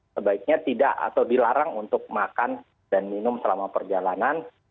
sebaiknya tidak atau dilarang untuk makan dan minum selama perjalanan